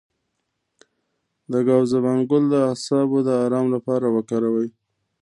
د ګاو زبان ګل د اعصابو د ارام لپاره وکاروئ